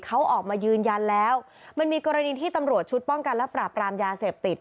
เขาออกมายืนยันแล้วมันมีกรณีที่ตำรวจชุดป้องกันและปราบรามยาเสพติด